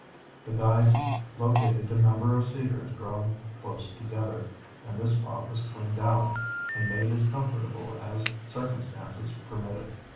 The guide located a number of cedars growing close together, and this spot was cleaned out and made as comfortable as circumstances permitted.